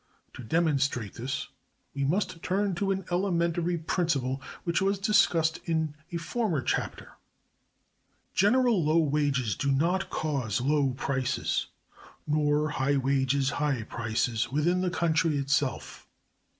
To demonstrate this, we must turn to an elementary principle which was discussed in a former chapter.(290) General low wages do not cause low prices, nor high wages high prices, within the country itself.